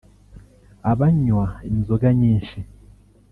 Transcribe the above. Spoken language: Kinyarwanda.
abanywa inzoga nyinshi